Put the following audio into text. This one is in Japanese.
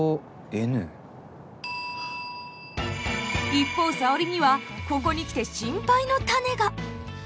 一方沙織にはここに来て心配の種が。